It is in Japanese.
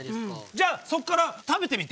じゃあそっから食べてみて。